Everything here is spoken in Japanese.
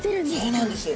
そうなんです。